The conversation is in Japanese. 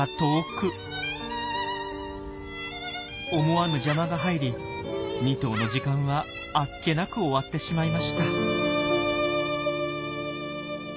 思わぬ邪魔が入り２頭の時間はあっけなく終わってしまいました。